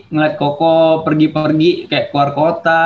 ngeliat koko pergi pergi kayak keluar kota